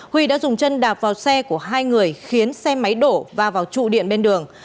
huy đã dùng chân đạp vào xe của hai người khiến xe máy đổ và vào trụ điện bên đường